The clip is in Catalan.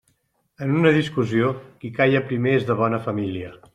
En una discussió, qui calla primer és de bona família.